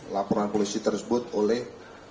laporan polisi tersebut oleh